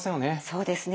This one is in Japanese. そうですね。